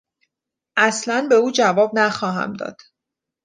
اصلا به او جواب نخواهم داد!